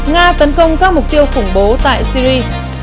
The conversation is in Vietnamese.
nga tấn công các mục tiêu khủng bố tại syri